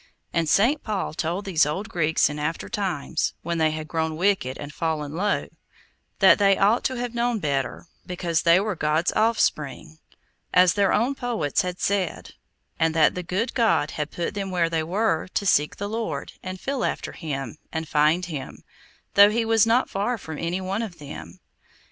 And St. Paul told these old Greeks in after times, when they had grown wicked and fallen low, that they ought to have known better, because they were God's offspring, as their own poets had said; and that the good God had put them where they were, to seek the Lord, and feel after Him, and find Him, though He was not far from any one of them.